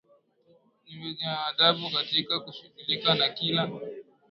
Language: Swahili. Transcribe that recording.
ni wenye adabu katika kushughulika na kila